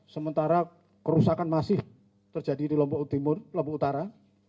sementara kerusakan masih terjadi di lombok timur lombok utara